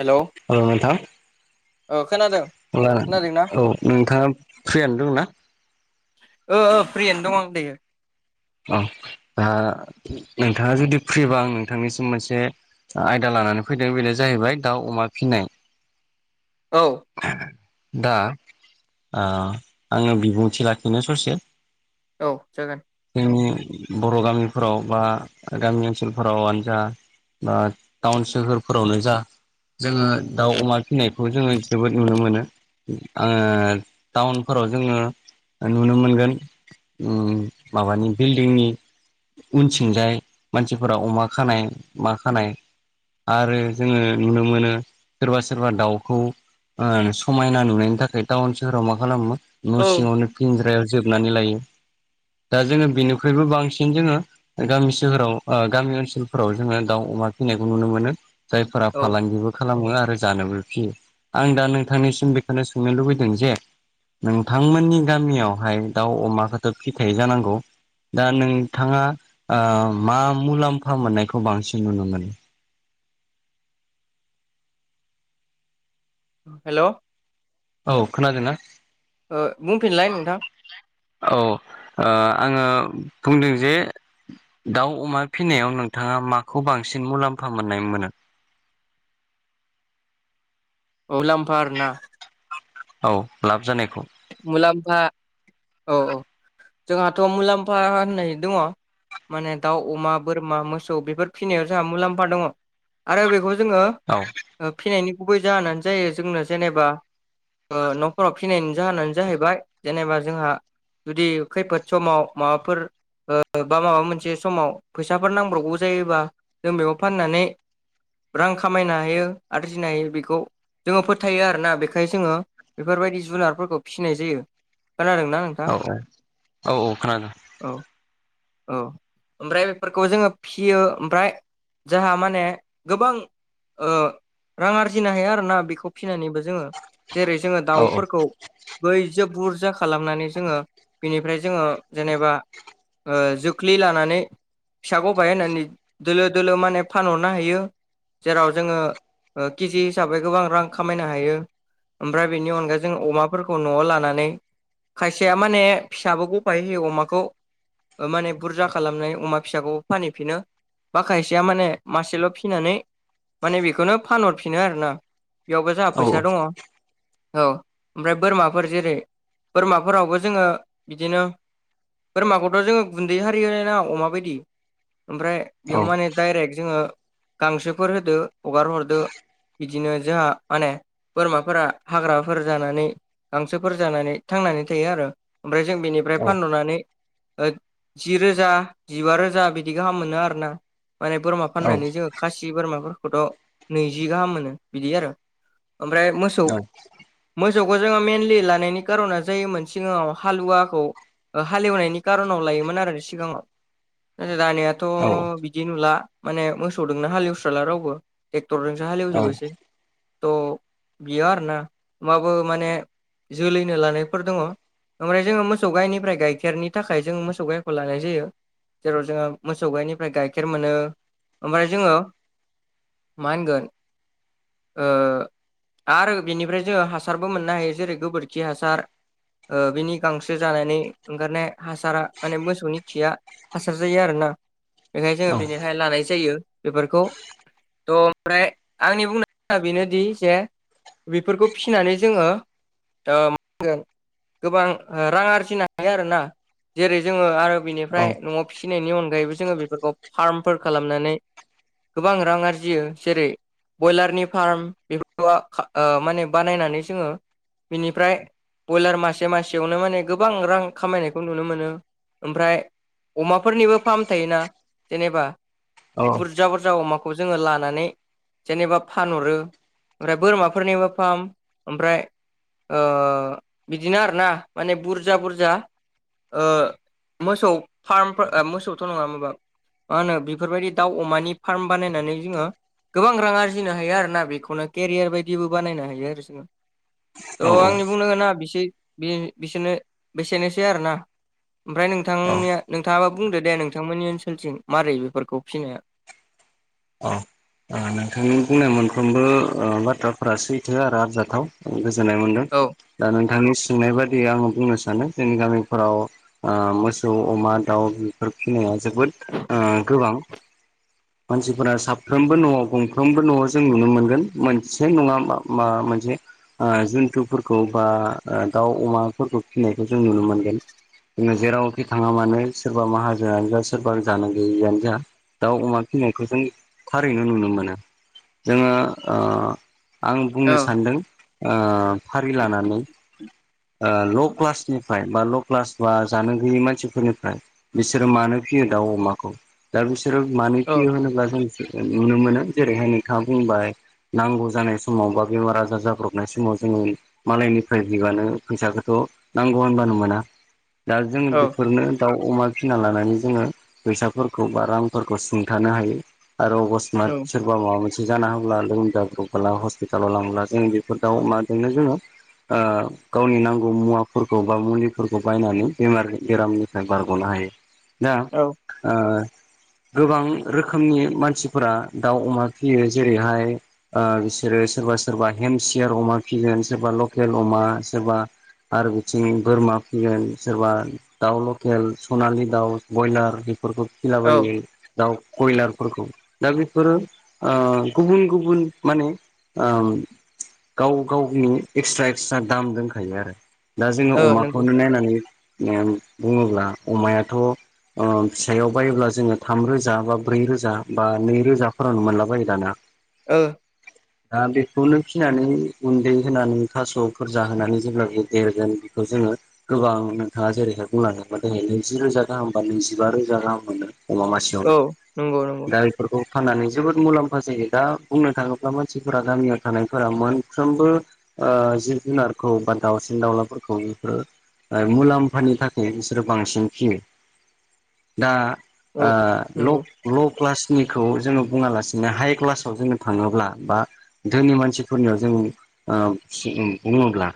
Hello ओ नोंथां। ओ खोनादों आब्ला खोनादोंना औ नोंथाङा फ्रियानो दंना। ओ ओ फ्रियनो दङ आं दायो। औ दा नोंथाङा जुदि फ्रिबा आं नोंथांनिसिम मोनसे। आयदा लानानै फैदों बेनो जाहैबाय दाउ अमा फिसिनाय। औ। दा। ओ आङो बिबुंथि लाखिनो ससे। औ जागोन जोंनि बर' गामिफोराव बा गामि ओनसोलफोरावनो जा बा टाउन सोहोरफोरावनो जा जोङो दाउ अमा फिसिनायखौ जोङो जोबोद नुनो मोनो आङो टाउनफोराव जोङो नुनो मोनगोन माबानि बिल्डिंनि उन सिंजाय मानसिफोरा अमा खानाय मा खानाय आरो जोङो नुनो मोनो सोरबा सोरबा दाउखौ ओ समायना नुनायनि थाखाय टाउन सोहोराव मा खालामो न' औ सिङावनो गिंज्रायाव जोबनानै लायो दा जोङो बेनिख्रुबो बांसिन जोङो गामि सोहोराव गामि ओनसोलफोराव जोङो दाउ अमा फिसिनायखौ नुनो मोनो जायफोरा औ फालांगिबो खालामो आरो जानोबो फियो आं दा नोंथांनिसिम बेखौनो सोंनो लुबैदों जे नोंथांमोननि गामियावहाय दाउ अमाखौथ' फिथायाइ जानांगौ दा नोंथाङा मा मुलाम्फा मोननायखौ बांसिन नुनो मोनो हेल' औ खोनादों बुंफिनलाय नोंथां औ आङो बुंदों जे दाउ अमा फिसिनायाव नोंथाङा माखौ बांसिन मुलाम्फा मोननाय मोनो अलामफार ना औ लाब जानायखौ मुलाम्फा औ औ जोंहाथ' मुलाम्फा होननाय दङ माने दाउ अमा बोरमा मोसौ बेफोर फिसिनायाव जोंहा मुलाम्फा दङ आरो बेखौ जोङो औ फिनायनि गुबै जाहोनानो जायो जोंनो जेनेबा न'फोराव फिनायनि जाहोनानो जाहैबाय जेनेबा जोंहा जुदि खैफोद समाव माबाफोर बा माबा मोनसे समाव फैसाफोर नांब्रगौ जायोबा जों बेयाव फाननानै रां खामायनो हायो आरजिनो हायो बेखौ जोङो फोथायो आरोना बेखायनो जोङो बेफोरबायदि जुनारफोरखौ फिसिनाय जायो खोनादों नां औ औ औ औ खोनादों औ औ ओमफ्राय बेफोरखौ जोङो फियो ओमफ्राय जाहा माने गोबां रां आरजिनो हायो आरो ना बेखौ फिसिनानैबो जोङो जेरै जोङो औ दाउफोरखौ बैजों बुरजा खालामनानै जोङो बिनिफ्राय जोङो जेनेबा जोख्लि लानानै फिसाखौबायाइ होननानै दोलो दोलो माने फानहरनो हायो जेराव जोङो केजि हिसाबै गोबां रां खामायनो हायो ओमफ्राय बेनि अनगा जों अमा फोरखौ न'आव लानानै खायसेया माने फिसाबो गफाय होयो अमाखौ माने बुरजा खालामनाय अमा फिसाखौ फानहैफिनो बा खायसेया माने मासेल' फिनानै माने बेखौनो फानहरफिनो आरो ना बेयावबो जोंहा औ फैसा दङ औ ओमफ्राय बोरमाफोर जेरै बोरमाफोरावबो जोङो बिदिनो बोरमाखौथ' जोङो गुन्दै आरि हो नाङा अमा बायदि ओमफ्राय औ बेयाव माने डाइरेक्ट जोङो गांसोफोर होदो हगार हरदो बिदिनो जोंहा माने बोरमाफोरा हाग्राफोर जानानै हांसोफोर जानानै थांनानै थायो आरो ओमफ्राय जों औ बेनिफ्राय फानरनानै जि रोजा जिबा रोजा बिदि गाहाम मोनो आरो ना माने बोरमा फाननानै जोङो खासि बोरमा फोरखौथ' नैजि गाहाम मोनो बिदि आरो ओमफ्राय मोसौ [inaudible] मोसौखौ जोङो मइेनलि लानायनि खार'ना जायोमोन सिगाङाव हालुवाखौ हालेवनायनि कार'नाव लायोमोन आरो सिगाङाव दानिया दाथ' बिदि नुला माने मोसौदोंनो हालेवस्राला रावबो ट्रेक्टरजोंसो हालेवजोबोसै। [unintelligible] आरोना होमबाबो माने जोलैनो लानायफोर दङ। ओमफ्राय जोङो मोसौ गाइनिफ्राय गाइखेरनि थाखाय जोङो मोसौ गाइखौ लानाय जायो। जेराव जोङो मोसौ गायनिफ्राय गाइखेर मोनो ओमफ्राय जोङो मा होनगोन ओ आरो बेनिफ्राय जोङो हासारबो मोननो हायो जेरै गोबोरखि हासार ओ बिनि गांसो जानानै ओंखारनाय हासारा माने मोसौनि खिया हासार जायो आरोना। बेखाय जोङो बिनिखाय लानाय जायो। बेफोरखौ थ' ओमफ्राय आंनि बुंनाया बेनोदि जे बेफोरखौ फिसिनानै जोङो मा होनगोन गोबां रां आरजिनो हायो आरोना जेरै जोङो आरो बिनिफ्राय न'आव फिसिनायनि अनगायैबो जोङो बेफोरखौ फार्मफोर खालामनानै गोबां रां आरजियो जेरै बयलारनि फार्म बेफोरखौ ओ माने बानायनानै जोङो बिनिफ्राय ब्रयलार मासे मासेयावनो माने गोबां रां खामायनायखौ नुनो मोनो। ओमफ्राय अमाफोरनिबो फ्राम थायोना जेनेबा बुरजा बुरजा जा अमाखौ जोङो लानानै जेनेबा फानहरो ओमफ्राय बोरमाफोरनि फार्म ओमफ्राय ओ बिदिनो आरोना माने बुरजा बुरजा मोसौ फार्मफोर मोसौथ' नङा माबा मा होनो बेफोरबायदि दाउ अमानि फार्म बानायनानै जोङो गोबां रां आरजिनो हायो आरो ना। बेखौनो केरियार बायदिबो बानायनो हायो आरो जोङो औ थ' औ आंनि बुंनो गोनांआ [unintelligible] बिसोरनो बेसेनोसै आरो ना ओमफ्राय औ नोंथांनिया नोंथाङाबो बुंदो दे, नोंथांमोननि ओनसोलथिं मारै बेफोरखौ फिनाया? औ नोंथांनि बुंनाय मोनफ्रोमबो बाथ्राफोरा सैथो आरो आरजाथाव। गोजोननाय मोनदों औ दा नोंथांनि सोंनाय बादियै आङो बुंनो सानो जोंनि गामिफोराव ओ मोसौ, अमा, दाउ बेफोर फिसिनाया जोबोद गोबां। मानसि -फोरा साफ्रोमबो न'आव गंफ्रोमबो न'आव जों नुनो मोनगोन मोनसे नङा माबा मोनसे जुन्थुफोरखौ बा दाउ, अमाफोरखौ फिनायखौ जों नुनो मोनगोन। जोङो जेरावखि थाङा मानो सोरबा माहाजोनआनो जा सोरबा जानो गैयिआनो जा। दाउ, अमा फिसिनायखौ जों थारैनो नुनो मोनो जोङो ओ आं औ बुंनो सानदों। ओ फारि लानानै ओ ल' क्लासनिफ्राय बा ल' क्लास बा जानो गैयै मानसिफोरनिफ्राय बिसोरो मानो फियो दाउ अमाखौ दा बिसोरो मानो औ फियो होनोब्ला जों नुनो मोनो जेरैहाय नोंथाङा बुंबाय नांगौ जानाय समाव बा बेमार आजार जाब्रबनाय समाव जोङो मालायनिफ्राय बिबानो फैसाखौथ' नांगौ होनबानो मोना। दा जों औ बेफोरनो दाउ, अमा फिसिना लानानै जोङो फैसाफोरखौ बा रांफोरखौ सुंथानो हायो आरो अबस- औ [unintelligible] सोरबा माबा मोनसे जाना होब्ला लोमजाब्रबोला हस्पिटालाव लांब्ला जों बेफोर दाव, अमाजोंनो जोङो ओ गावनि नांगौ मुवाफोरखौ बा मुलिफोरखौ बायनानै बेमार बेरामनि बारग'नो हायो। दा औ ओ गोबां रोखोमनि [unintelligible] मानसिफोरा दाउ, अमा फियो जेरैहाय बिसोरो सोरबा सोरबा हेमसियार अमा फिगोन सोरबा लकेल अमा सोरबा आरो बिथिं बोरमा फिगोन सोरबा दाउ लकेल, सनालि दाउ, बयलार बेफोरखौ औ जाबायदि दाउ बयलारफोरखौ दा बेफोरो ओ गुबुन गुबुन माने ओम गाव गावनि एक्सट्रा एक्सट्रा दाम दोनखायो आरो। दा जोङो ओ नंगौ अमाखौनो नायनानै ओम बुङोब्ला अमायाथ' ओ फिसायाव बायोब्ला जोङो थाम रोजा बा ब्रै रोजा बा नै रोजाफोरावनो मोनलाबायो दाना। ओ। [unintelligible] दा बेखौनो फिसिनानै गुन्दै होनानै थास'फोर जाहोनानै जेब्लाबो देरगोन बेखौ जोङो गोबां नोंथाङा जेरैहाय बुंलांदोंमोन दिनै नैजि रोजा गाहाम बा नैजिबा रोजा गाहाम मोनो अमा मासे औ नंगौ नंगौ। दा बेफोरखौ फाननानै जोबोद मुलाम्फा जायो दा बुंनो थाङोब्ला मानसिफोरा गामियाव थानायफोरा मोनफ्रोमबो ओ जिब जुनारखौ बा दावसिन दाउलाफोरखौ ओ ओ मुलाम्फानि थाखाय बिसोरो बांसिन फियो। दा आ औ नंगौ ल ल' क्लासनिखौ जोङो बुङालासिनो हाइ क्लासाव जोङो थाङोब्ला बा धोनि मानसिफोरनियाव जों ओ फि उम बुङोब्ला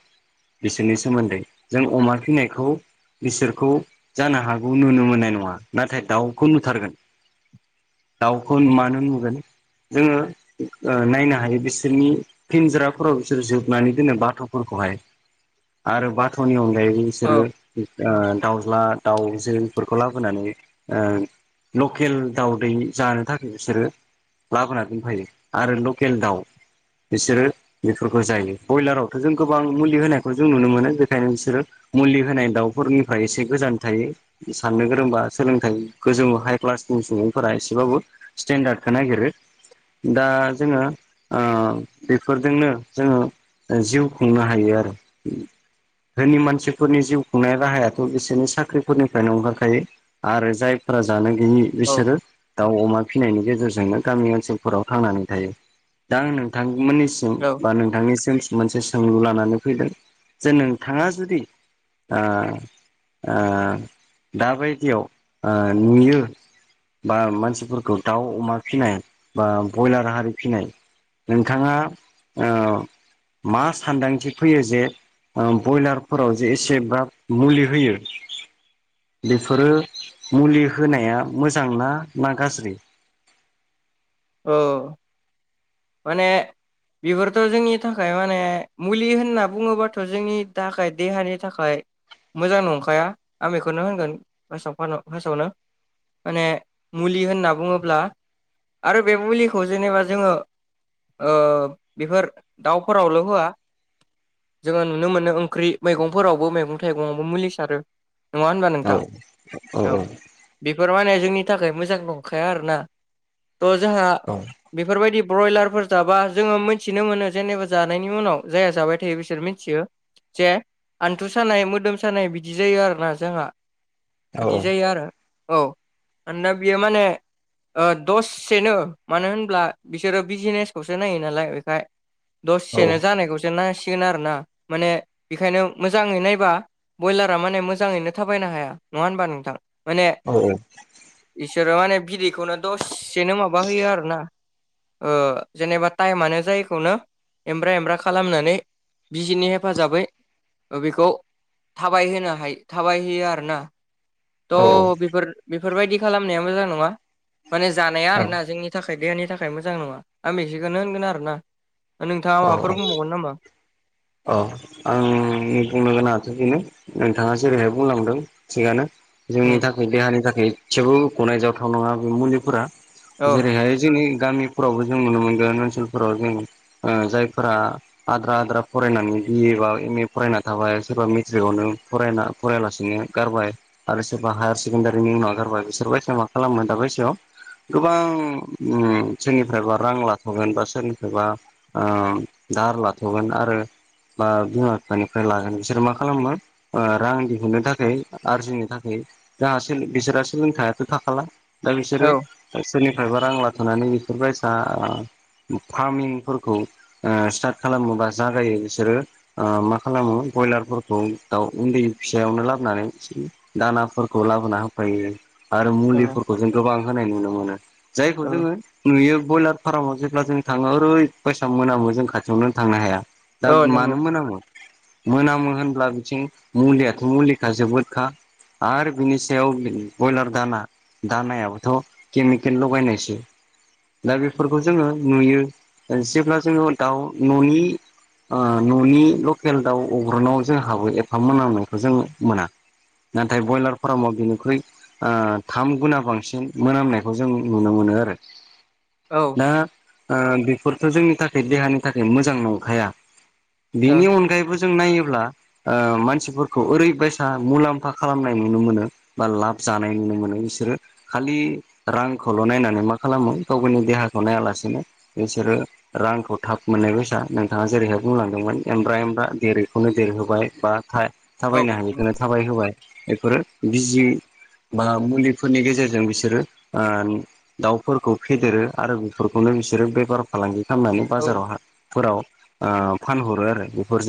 बिसोरनि सोमोन्दै जों अमा फिनायखौ बिसोरखौ जानो हागौ नुनो मोननाय नङा नाथाय दाउखौ नुथारगोन दाउखौ मानो नुगोन जोङो ओ नायनो हायो बिसोरनि फिनज्राफोराव बिसोर जोबनानै दोनो बाथ'फोरखौहाय। आरो बाथ'नि अनगायैबो औ बिसोरो ओ दाउज्ला दाउ ज बेफोरखौ लाबोनानै ओ लकेल दाउदै जानो थाखाय बिसोरो लाबोनानै दोनफैयो आरो लकेल दाउ बिसोरो बेफोरखौ जायो ब्रयलारावथ' जों गोबां मुलि होनायखौ जों नुनो मोनो बेखायनो बिसोरो मुलि होनाय दाउफोरनिफ्राय एसे गोजान थायो साननो गोरोंबा सोलोंथाइ गोजौ हाइ क्लासनि सुबुंफोरा एसेबाबो स्टेेनडार्ड खो नागिरो दा जोङो ओ बेफोरजोंनो जोङो जिउ खुंनो हायो आरो। धोनि मानसिफोरनि जिउ खुंनाय राहायाथ' बिसोरनि साख्रिफोरनिफ्रायनो ओंखारखायो। आरो जायफोरा जानो गैयि औ बिसोरो दाउ अमा फिसिनायनि गेजेरजोंनो गामि ओनसोलफोराव थांनानै थायो दा आं नोंथांमोननि सि म बा नोंथांनिसिम मोनसे सोंलु लानानै फैदों जे नोंथाङा जुदि ओ ओ दाबायदियाव ओ नुयो बा मानसिफोरखौ दाउ अमा फिनाय बा बयलार हारि फिनाय नोंथाङा ओ मा सानदांथि फैयो जे ओ ब्रयलारफोराव जे एसेब्राब मुलि होयो बेफोरो मुलि होनाया मोजां ना ना गाज्रि? ओ। माने बेफोरथ' जोंनि थाखाय माने मुलि होनना बुङोबाथ' जोंनि थाखाय देहानि थाखाय मोजां नंखाया आं बेखौनो होनगोन बासाव फास फासावनो माने मुलि होनना बुङोब्ला आरो बे मुलिखौ जेनोबा जोङो ओ बेफोर दाउफोरावल' होया जोङो नुनो मोनो ओंख्रि मैगंफोरावबो मैगं थाइगङावबो मुलि सारो नङा होनबा औ नोंथां? औ। बेफोर माने जोंनि थाखाय मोजां नंखाया आरोना थह जोंहा औ। बेफोरबायदि ब्रयलारफोर जाबा जोङो मोनथिनो मोनो जेनोबा जानायनि उनाव जायाहा जाबाय थायो बिसोर मिथियो जे आन्थु सानाय मोदोम सानाय बिदि जायो आरोना जोंहा औ बिदि जायो आरो औ आ दा बियो माने ओ दससेनो मानो होनब्ला बिसोरो बिजिनेसखौसो नायो नालाय बेखाय औ दसेसेनो जानायखौसो जोनांसिगोन आरो ना माने बेखायनो मोजाङै नायबा ब्रयलारा माने मोजाङैनो थाबायनो हाया नङा होनबा नोंथां? माने औ इसोरो माने बिदैखौनो दसेसेनो माबा होयो आरोना ओ जेनेबा टाइमानो जायखौनो एमब्रा एमब्रा खालामनानै बिजिनि हेफाजाबै ओ बेखौ थाबायहोनो हायो थाबायहैयो आर ना थ बेफोर बेफोरबायदि खालामनाया मोजां नङा। माने जानाया औ आरोना जोंनि थाखाय देहानि थाखाय मोजां नङा आं बेेसेखौनो होनगोन आरोना नोंथाङा माबाफोर बुंबावगोन नामा? अ आं बुंनो गोनाङाथ' बेनो। नोंथाङा जेरैहाय बुंलांदों थिगानो। जोंनि उम थाखाय देहानि थाखाय एसेबो गनायजावथाव नङा बे मुलिफोरा। औ जेरैहाय जोंनि गामि फोरावबो जों नुनो मोनगोन ओनसोलफोराव जों ओ जायफोरा आद्रा आद्रा फरायनानै बिए बा एम ए फरायना थाबाय सोरबा मेट्रिकआवनो फरायना फरायलासिनो गारबाय। आरो सोरबा हायार सेकेण्डारिनि नागारबाय बिसोर [unintelligible] मा खालामो दा बैसोआव गोबां सोरनिफ्रायबा रां लाथ'गोन बा सोरनिफ्रायबा ओ दाहार लाथ'गोन आरो बा बिमा बिफानिफ्राय लागोन बिसोरो मा खालामो ओ रां दिहुननो थाखाय आरजिनो थाखाय जाहासे बिसोरा सोलोंथायाथ' थाखाला। दा बिसोरो औ सोरनिफ्रायबा रां लाथ'नानै इफोर बायसा फार्मिंफोरखौ ओ स्टार्ट खालामोबा जागायो बिसोरो ओ मा खालामो ब्रयलारफोरखौ दाउ उन्दै फिसायावनो लाबोनानै दानाफोरखौ लाबोना होफैयो। आरो औ मुलिफोरखौ जों गोबां होनाय नुनो मोनो जायखौ औ जोङो नुयो ब्रयलार फार्माव जेब्ला जों थाङो ओरै बायसा मोनामो जों खाथियावनो थांनो हाया। दा औ नंगौ मानो मोनामो? मोनामो होनब्ला बिथिं मुलियाथ' मुलिखा जोबोदखा आर बिनि सायाव ब्रयलार दाना दानायाबोथ' केमिकेल लगायनायसो। दा बेफोरखौ जोङो नुयो जेब्ला जोङो दाउ न'नि ओ न'नि लकेल दाउ अग्रुनाव जोंहाबो एफा मोनामनायखौ जों मोना नाथाय ब्रयलार फार्माव बेनिख्रुइ ओ थाम गुना बांसिन मोनामनायखौ जों नुनो मोनो आरो औ दा ओ बेफोरथ' जोंनि थाखाय देहानि थाखाय मोजां नंखाया। औ बेनि अनगायैबो जों नायोब्ला ओ मानसिफोरखौ ओरैबायसा मुलाम्फा खालामनाय नुनो मोनो। बा लाब जानाय नुनो मोनो बिसोरो खालि रांखौल' नायनानै मा खालामो गाव गावनि देहाखौ नायालासेनो बिसोरो रांखौ थाब मोननायबायसा नोंथाङा जेरैहाय बुंलांदोंमोन एमब्रा एमब्रा देरैखौनो देरहोबाय बा औ था-थाबायनो हायिखौनो थाबाय होबाय। बेफोरो बिजि बा मुलिफोरनि गेजेरजों बिसोरो ओ दाउफोरखौ फेदेरो आरो बेफोरखौनो बिसोरो बेबार फालांगि खालामनानै औ बाजाराव हा फोराव फानहरो आरो बेफोरजों